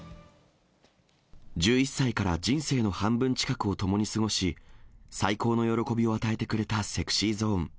１１歳から人生の半分近くをともに過ごし、最高の喜びを与えてくれたＳｅｘｙＺｏｎｅ。